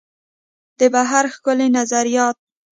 د بهیر ښکلي نظریات.